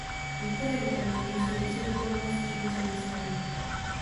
Některé vitamíny jsou dosažitelné z přirozené stravy.